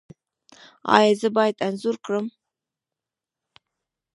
ایا زه باید انځور کړم؟